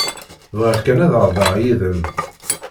Bɣiɣ kan ad hedreɣ yid-m.